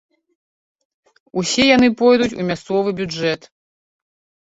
Усе яны пойдуць у мясцовы бюджэт.